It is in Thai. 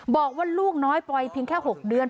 บอกว่าลูกน้อยปล่อยเพียงแค่๖เดือน